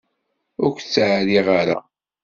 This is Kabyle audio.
Ur k-ttɛerriɣ ara.